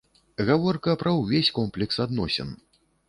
Гаворка пра ўвесь комплекс адносін.